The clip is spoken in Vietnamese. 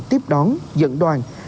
tiếp đón dẫn đoàn